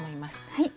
はい。